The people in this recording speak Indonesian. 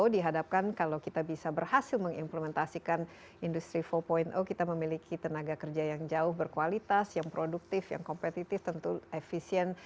dihadapkan kalau kita bisa berhasil mengimplementasikan industri empat kita memiliki tenaga kerja yang jauh berkualitas yang produktif yang kompetitif tentu efisien